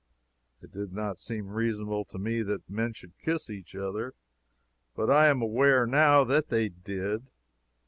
It did not seem reasonable to me that men should kiss each other, but I am aware, now, that they did.